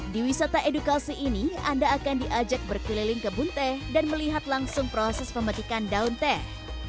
di wisata edukasi ini anda akan diajak berkeliling kebun teh dan melihat langsung proses pemetikan daun teh